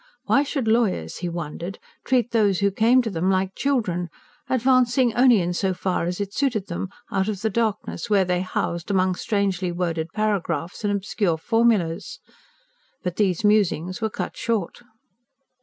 Why should lawyers, he wondered, treat those who came to them like children, advancing only in so far as it suited them out of the darkness where they housed among strangely worded paragraphs and obscure formulas? But these musings were cut short.